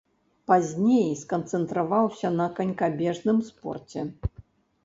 Пазней сканцэнтраваўся на канькабежным спорце.